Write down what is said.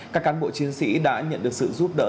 các cán bộ chiến sĩ đã nhận được sự giúp đỡ